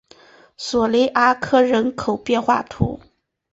索雷阿克人口变化图示